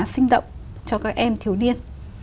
sinh động cho các em thiếu niên